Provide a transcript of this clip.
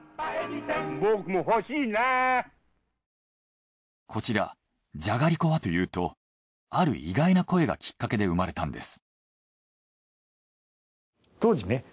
僕も欲しいなこちらじゃがりこはというとある意外な声がきっかけで生まれたんです。